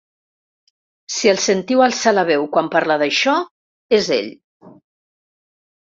Si el sentiu alçar la veu quan parla d’això, és ell.